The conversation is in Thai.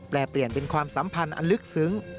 เปลี่ยนเป็นความสัมพันธ์อันลึกซึ้ง